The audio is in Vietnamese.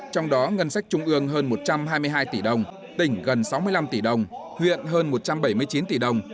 trong đó ngân sách trung ương hơn một trăm hai mươi hai tỷ đồng tỉnh gần sáu mươi năm tỷ đồng huyện hơn một trăm bảy mươi chín tỷ đồng